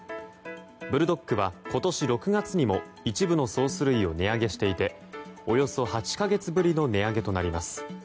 ブルドックは今年６月にも一部のソース類を値上げしていておよそ８か月ぶりの値上げとなります。